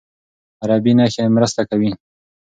عربي نښې مرسته کوي.